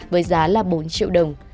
với giá là bốn triệu đồng